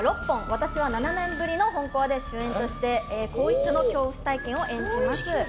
私は７年ぶりの「ほん怖」で主演として更衣室の恐怖体験を演じます。